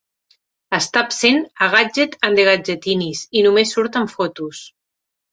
Està absent a "Gadget and the Gadgetinis" i només surt en fotos.